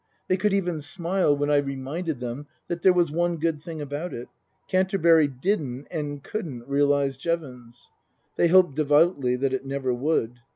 They could even smile when I reminded them that there was one good thing about it Canterbury didn't, and couldn't, realize Jevons. They hoped devoutly that it never would.